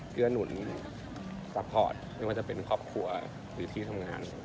เครื่องนุ่นสปออตไม่ว่าจะเป็นครอบครัวหรือที่ทำงาน